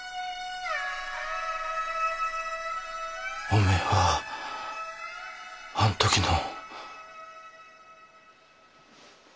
お前はあん時の。